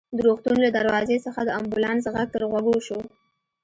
د روغتون له دروازې څخه د امبولانس غږ تر غوږو شو.